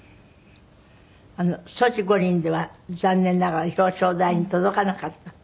ソチ五輪では残念ながら表彰台に届かなかった。